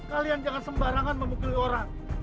kalian jangan sembarangan memukili orang